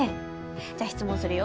じゃあ質問するよ。